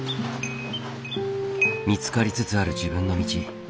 見つかりつつある自分の道。